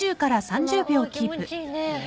あー気持ちいいね。